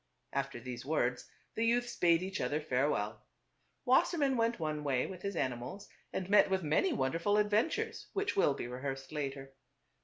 After these words the youths bade each other farewell. Wassermann went one way with his animals and met with many wonderful adven tures which will be rehearsed later.